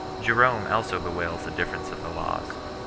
Jerome also bewails the difference of the laws.